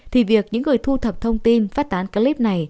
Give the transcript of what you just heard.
thì việc những người thu thập thông tin phát tán clip này